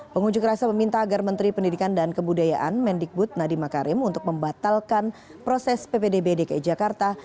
pengunjuk rasa meminta agar menteri pendidikan dan kebudayaan mendikbud nadiem makarim untuk membatalkan proses ppdb dki jakarta